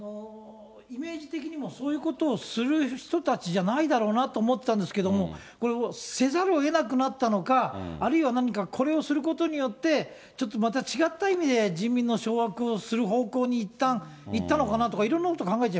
イメージ的にも、そういうことをする人たちじゃないだろうなと思ってたんですけども、これ、せざるをえなくなったのか、あるいは何か、これをすることによって、ちょっとまた違った意味で、人民の掌握をする方向にいったん行ったのかなとか、いろいろ考え